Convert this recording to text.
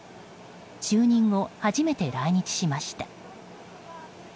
就任後、初めて来日しました。